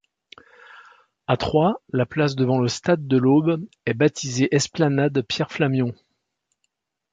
À Troyes, la place devant le stade de l'Aube est baptisé esplanade Pierre-Flamion.